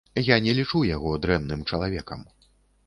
Я не лічу яго дрэнным чалавекам.